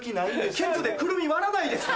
ケツでクルミ割らないですよ。